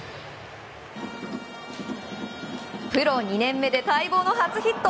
プロ２年目で待望のプロ初ヒット。